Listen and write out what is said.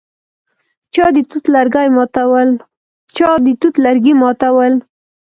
چا د توت لرګي ماتول.